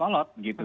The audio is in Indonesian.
selalu kolot gitu